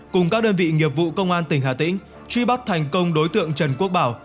cùng các đơn vị nghiệp vụ công an tỉnh hà tĩnh truy bắt thành công đối tượng trần quốc bảo